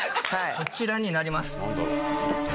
こちらになります。